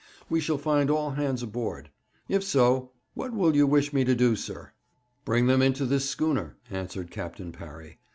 We shall find all hands aboard. If so, what will you wish me to do, sir?' 'Bring them into this schooner,' answered Captain Parry.